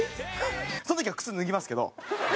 その時は靴脱ぎますけど。